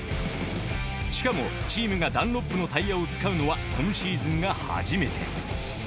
しかもチームがダンロップのタイヤを使うのは今シーズンが初めて。